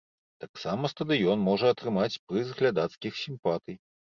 Таксама стадыён можа атрымаць прыз глядацкіх сімпатый.